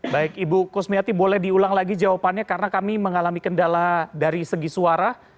baik ibu kusmiati boleh diulang lagi jawabannya karena kami mengalami kendala dari segi suara